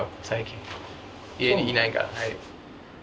最近家にいないから。